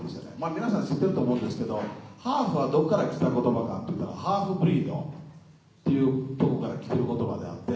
皆さん知ってると思うんですけどハーフはどこから来た言葉かといったら「ｈａｌｆ−ｂｒｅｅｄ」っていうとこから来てる言葉であって。